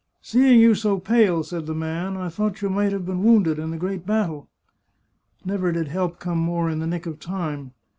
" Seeing you so pale," said the man, " I thought you might have been wounded in the great battle." Never did help come more in the nick of time.